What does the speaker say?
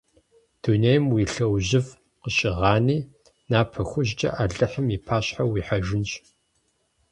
Дунейм уи лъэужьыфӀ къыщыгъани, напэ хужькӀэ Алыхьым и пащхьэ уихьэжынщ…